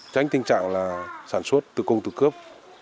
tránh tình trạng là sản xuất từ công từ cướp